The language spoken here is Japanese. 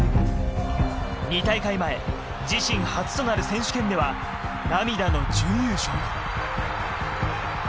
２大会前、自身初となる選手権では、涙の準優勝。